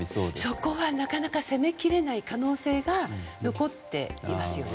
そこは、なかなか責めきれいない可能性が残っていますね。